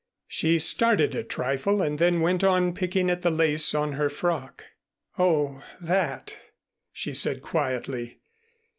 She started a trifle and then went on picking at the lace on her frock. "Oh, that," she said quietly.